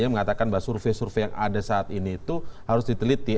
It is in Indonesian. yang mengatakan bahwa survei survei yang ada saat ini itu harus diteliti